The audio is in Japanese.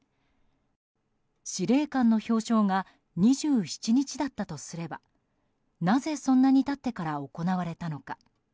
司令官の表彰が２７日だったとすればなぜそんなに経ってから行われたのか。